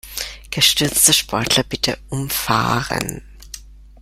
Gestürzte Sportler bitte umfahren.